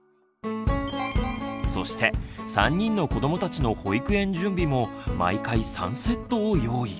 そして３人の子どもたちの保育園準備も毎回３セットを用意。